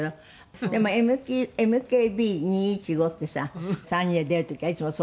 でもＭＫＢ２１５ってさ３人で出る時はいつもそうやればいいじゃない。